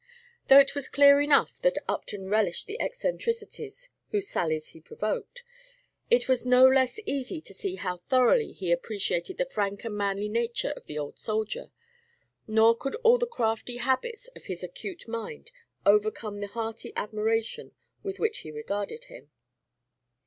Though it was clear enough that Upton relished the eccentricities whose sallies he provoked, it was no less easy to see how thoroughly he appreciated the frank and manly nature of the old soldier; nor could all the crafty habits of his acute mind overcome the hearty admiration with which he regarded him.